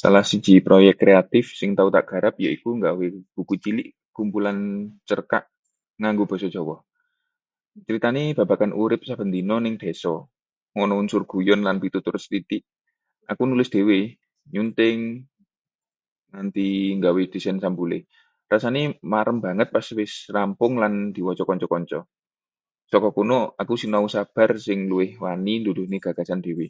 Salah siji proyek kreatif sing tau tak garap yaiku nggawe buku cilik kumpulan cerkak nganggo basa Jawa. Critane babagan urip saben dina neng desa, ana unsur guyon lan pitutur sethithik. Aku nulis dhewe, nyunting, nganti nggawe desain sampule. Rasane marem banget pas wis rampung lan diwaca kanca-kanca. Saka kono aku sinau sabar lan luwih wani nuduhake gagasan dhewe.